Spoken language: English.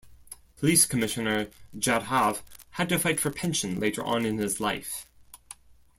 Police Commissioner, Jadhav had to fight for pension later on in his life.